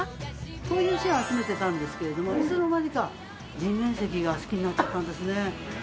こういう石を集めてたんですけれどもいつの間にか人面石が好きになっちゃったんですね。